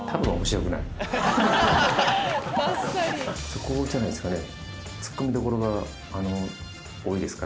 そこじゃないですかね。